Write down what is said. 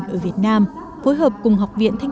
viên thụy điển ở việt nam phối hợp cùng học viện thanh